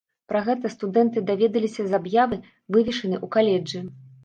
Пра гэта студэнты даведаліся з аб'явы, вывешанай ў каледжы.